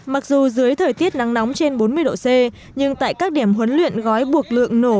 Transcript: mặc dù dưới thời tiết nắng nóng trên bốn mươi độ c nhưng tại các điểm huấn luyện gói buộc lượng nổ